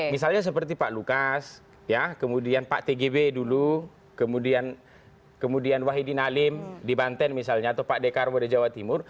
misalnya seperti pak lukas kemudian pak tgb dulu kemudian wahidinalim di banten misalnya atau pak dekarwo di jawa timur